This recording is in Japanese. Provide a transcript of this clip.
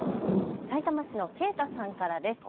さいたま市のけい太さんからです。